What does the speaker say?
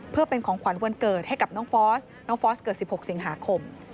เพื่อเป็นของขวัญวันเกิดให้กับน้องฟอสน้องฟอสเกิด๑๖สิงหาคม